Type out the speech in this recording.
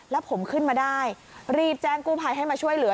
แล้วผมขึ้นมาได้รีบแจ้งกู้ภัยให้มาช่วยเหลือ